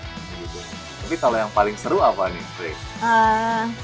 tapi kalau yang paling seru apa nih